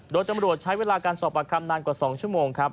โดยตำรวจใช้เวลาการสอบปากคำนานกว่า๒ชั่วโมงครับ